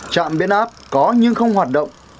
trạm biên áp có nhưng không hoạt động